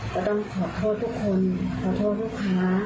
ก็ต้องขอโทษทุกคนขอโทษลูกค้า